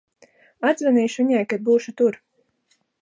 Atzvanīšu viņai, kad būšu tur.